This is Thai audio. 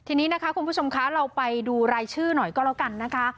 ทีนี้นะคะคุณผู้ชมคะเราไปดูรายชื่อหน่อยก็แล้วกันนะคะ